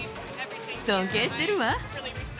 尊敬してるわ。